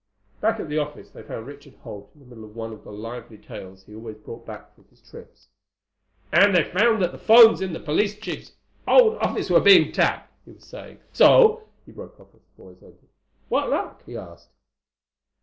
Back at the office they found Richard Holt in the middle of one of the lively tales he always brought back from his trips. "And they found that the phones in the police chief's own office were being tapped," he was saying. "So—" He broke off as the boys entered. "What luck?" he asked.